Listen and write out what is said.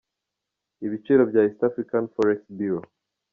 Ibiciro bya East African forex bureau.